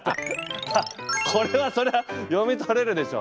これはそれは読み取れるでしょ。